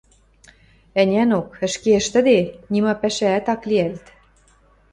Ӹнянок... ӹшке ӹштӹде, нима пӓшӓӓт ак лиӓлт...